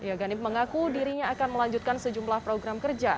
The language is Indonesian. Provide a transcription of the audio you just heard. ya ghanib mengaku dirinya akan melanjutkan sejumlah program kerja